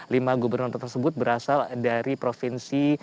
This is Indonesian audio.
lima gubernur tersebut berasal dari provinsi